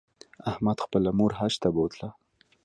احمد خپله مور حج ته بوتله.